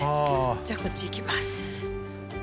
じゃあこっち行きます。